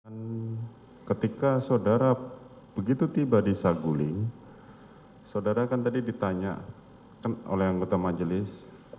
dan ketika saudara begitu tiba di saguling saudara kan tadi ditanya oleh anggota majelis